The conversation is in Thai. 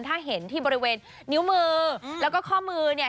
ถ้าเห็นที่บริเวณนิ้วมือแล้วก็ข้อมือเนี่ย